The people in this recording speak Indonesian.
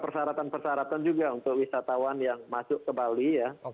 persyaratan persyaratan juga untuk wisatawan yang masuk ke bali ya